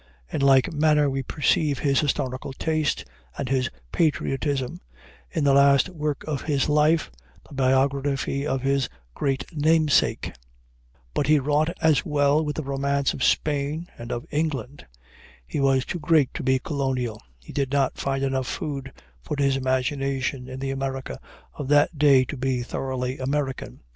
In like manner we perceive his historical taste and his patriotism in the last work of his life, the biography of his great namesake. But he wrought as well with the romance of Spain and of England. He was too great to be colonial; he did not find enough food for his imagination in the America of that day to be thoroughly American.